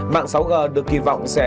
mạng sáu g được kỳ vọng sẽ